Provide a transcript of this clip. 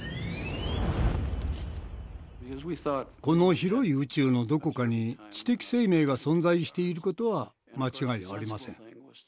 この広い宇宙のどこかに知的生命が存在していることは間違いありません。